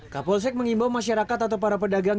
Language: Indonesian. kapolsek mengimbau masyarakat atau para pedagang